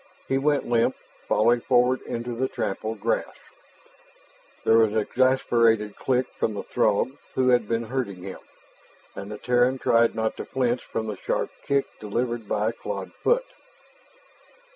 He went limp, falling forward into the trampled grass. There was an exasperated click from the Throg who had been herding him, and the Terran tried not to flinch from a sharp kick delivered by a clawed foot.